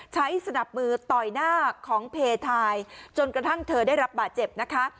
สนับมือต่อยหน้าของเพทายจนกระทั่งเธอได้รับบาดเจ็บนะคะ